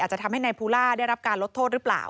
จะทำให้นายภูล่าได้รับการลดโทษหรือเปล่า